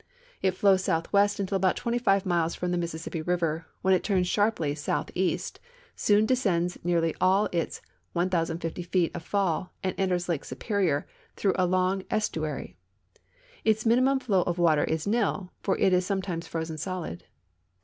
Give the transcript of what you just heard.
It Hows southwest until about 25 miles from tbe Missis sippi river, when it turns sharply southeast, soon descends nearly all its 1.050 feet of fall, and enters Lake Superior through a long estuar3^ Its minimum How. of water is nil, for it is sometimes frozen solid.